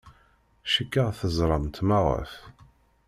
Cikkeɣ teẓramt maɣef.